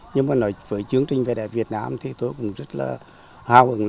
nhưng mà nói với chương trình về đẹp việt nam thì tôi cũng rất là hào hứng